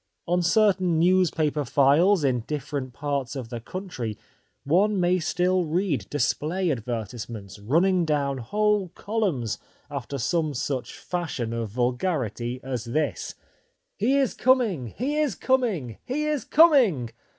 On certain news paper files in different parts of the country one may still read display advertisements, running down whole columns, after some such fashion of vulgarity as this :— HE IS COMING! HE IS COMING! HE IS COMING!